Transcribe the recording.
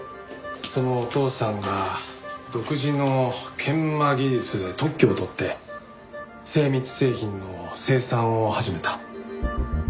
そのお父さんが独自の研磨技術で特許を取って精密製品の生産を始めた。